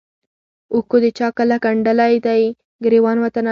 اوښکو د چا کله ګنډلی دی ګرېوان وطنه